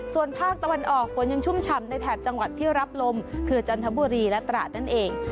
ส่วนภาคตะวันออกฝนยังชุ่มฉ่ำในแถบจังหวัดที่รับลมคือจันทบุรีและตราดนั่นเอง